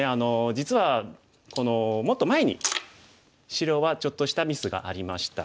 実はこのもっと前に白はちょっとしたミスがありました。